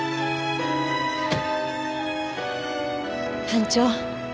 班長。